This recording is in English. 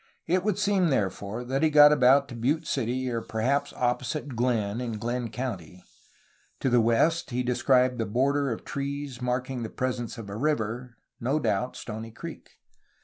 It would seem therefore that he got about to Butte City or perhaps opposite Glenn in Glenn County. To the west he descried the border of trees marking the presence of a river — no doubt, Stony Creek.